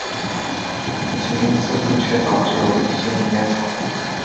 其中似乎确凿只有一些野草